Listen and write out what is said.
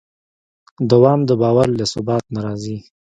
دوام د باور له ثبات نه راځي.